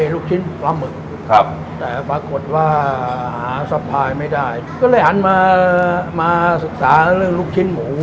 ลูกชิ้นปลาหมึกครับแต่ปรากฏว่าหาสะพายไม่ได้ก็เลยหันมามาศึกษาเรื่องลูกชิ้นหมู